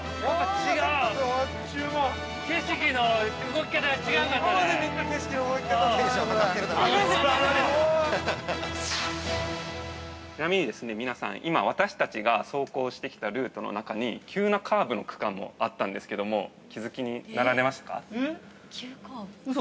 ◆ちなみにですね、皆さん今、私たちが走行してきたルートの中に急なカーブの区間もあったんですけれども気づきになられましたか？